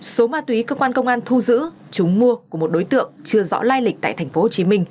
số ma túy cơ quan công an thu giữ chúng mua của một đối tượng chưa rõ lai lịch tại tp hcm